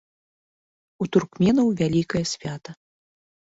У туркменаў вялікае свята.